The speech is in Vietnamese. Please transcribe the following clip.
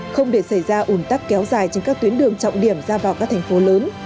không để xảy ra ủn tắc kéo dài trên các tuyến đường trọng điểm ra vào các thành phố lớn